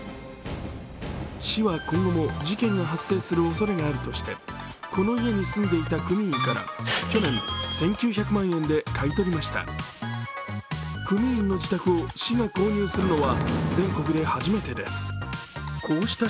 市は今後も事件が発生するおそれがあるとして、この家に住んでいた組員から去年１９００万円で買い取りました。